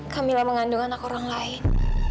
kak mila mengandung anak orang lain